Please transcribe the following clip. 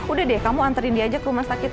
udah deh kamu anterin dia aja ke rumah sakit